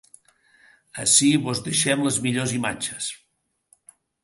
Ací vos deixem les millors imatges.